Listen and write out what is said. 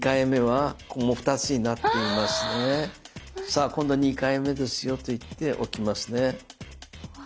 「さあ今度は２回目ですよ」と言って置きますね。